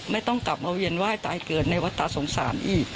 ไม่ต้องกลับมาเวียนไหว้ตายเกิดในวัดตาสงสารอีก